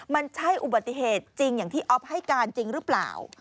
มันใช่อุบัติเหตุจริงอย่างที่อ๊อฟให้การจริงหรือเปล่า